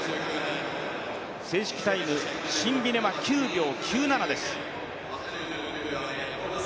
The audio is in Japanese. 正式タイム、シンビネは９秒９７です。